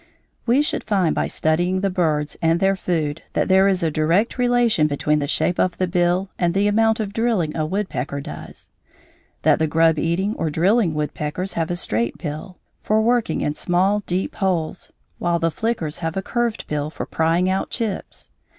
We should find by studying the birds and their food that there is a direct relation between the shape of the bill and the amount of drilling a woodpecker does; that the grub eating or drilling woodpeckers have a straight bill, for working in small deep holes, while the flickers have a curved bill for prying out chips.